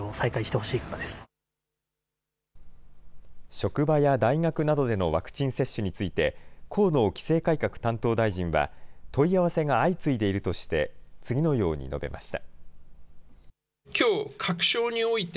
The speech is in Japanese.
職場や大学などでのワクチン接種について、河野規制改革担当大臣は、問い合わせが相次いでいるとして、次のように述べました。